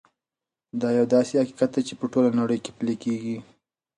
دا یو داسې حقیقت دی چې په ټوله نړۍ کې پلی کېږي.